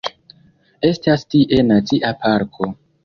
Estas tie nacia parko.